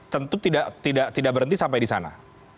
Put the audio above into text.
tentu tidak berhenti sampai disana